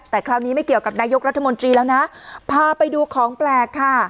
แต่คราวนี้ไม่เกี่ยวกับนายกรัฐมนตรีแล้วนะพาไปดูของแปลกค่ะ